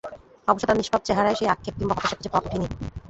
অবশ্য তাঁর নিষ্পাপ চেহারায় সেই আক্ষেপ কিংবা হতাশা খুঁজে পাওয়া কঠিনই।